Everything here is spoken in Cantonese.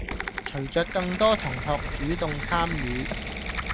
隨著更多同學主動參與